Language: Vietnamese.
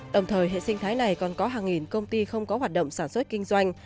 đồng thời hệ sinh thái này còn có hàng nghìn công ty không có hoạt động sản xuất kinh doanh